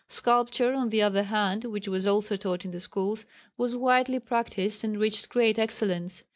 Sculpture on the other hand, which was also taught in the schools, was widely practised, and reached great excellence.